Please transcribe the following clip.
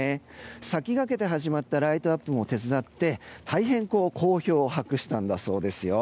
先駆けて始まったライトアップも手伝って、大変好評を博したんだそうですよ。